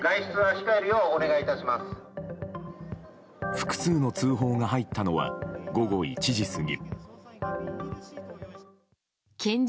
複数の通報が入ったのは午後１時過ぎ。